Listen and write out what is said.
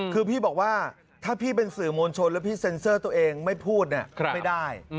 คือพี่บอกว่าถ้าพี่เป็นสื่อมวลชนแล้วพี่เซ็นเซอร์ตัวเองไม่พูดเนี่ยไม่ได้